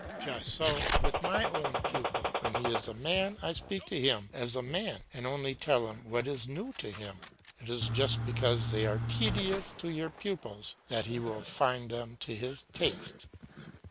Just so with my own pupil, when he is a man I speak to him as a man, and only tell him what is new to him; it is just because they are tedious to your pupils that he will find them to his taste.